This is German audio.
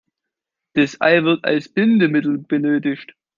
Das Ei wird als Bindemittel benötigt.